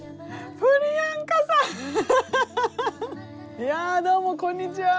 いやどうもこんにちは。